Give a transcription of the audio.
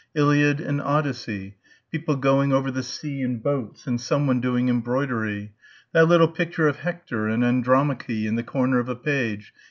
Iliad and Odyssey ... people going over the sea in boats and someone doing embroidery ... that little picture of Hector and Andromache in the corner of a page